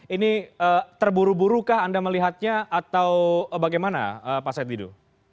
ini terburu burukah anda melihatnya atau bagaimana pak said didu